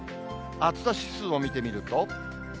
暑さ指数を見てみると。